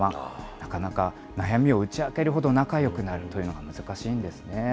なかなか悩みを打ち明けるほど仲よくなるというのが難しいんですね。